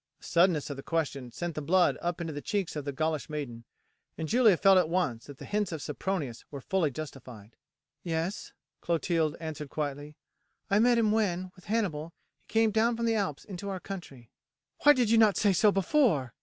The suddenness of the question sent the blood up into the cheeks of the Gaulish maiden, and Julia felt at once that the hints of Sempronius were fully justified. "Yes," Clotilde answered quietly, "I met him when, with Hannibal, he came down from the Alps into our country." "Why did you not say so before?"